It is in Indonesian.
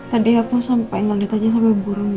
tadi aku sampai nanti tanya sama burung